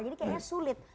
jadi kayaknya sulit